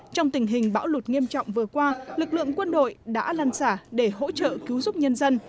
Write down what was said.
trong tình hình bão lụt nghiêm trọng vừa qua lực lượng quân đội đã lăn xả để hỗ trợ cứu giúp nhân dân